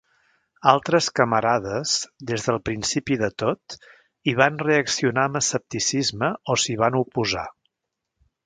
Altres camarades, des del principi de tot, hi van reaccionar amb escepticisme o s'hi van oposar.